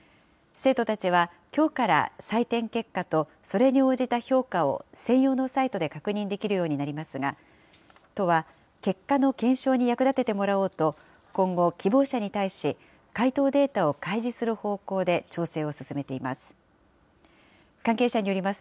生徒たちは、きょうから採点結果とそれに応じた評価を専用のサイトで確認できるようになりますが、都は、結果の検証に役立ててもらおうと、今後、希望者に対し、解答データを開示する方向で調整を進めています。